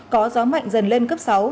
có gió mạnh dần lên cấp sáu